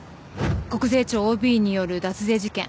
国税庁ＯＢによる脱税事件。